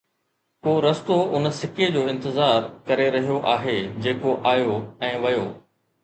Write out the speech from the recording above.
ڪو رستو ان سڪي جو انتظار ڪري رهيو آهي جيڪو آيو ۽ ويو